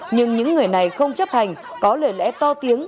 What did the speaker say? nhưng những người này không chấp hành có lời lẽ to tiếng